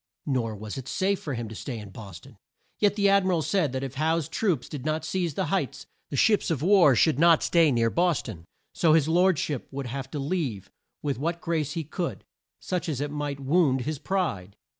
Nor was it safe for him to stay in Bos ton. Yet the Ad mi ral said that if Howe's troops did not seize the Heights, the ships of war should not stay near Bos ton; so his lord ship would have to leave with what grace he could, much as it might wound his pride.